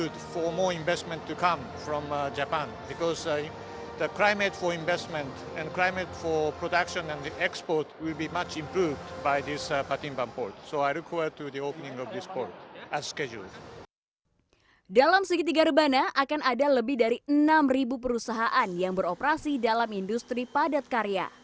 dalam segitiga rebana akan ada lebih dari enam perusahaan yang beroperasi dalam industri padat karya